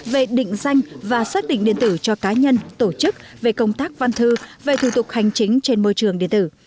về định danh và xác định điện tử cho cá nhân tổ chức về công tác văn thư về thủ tục hành chính trên môi trường điện tử